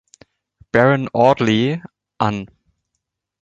Baron Audley an.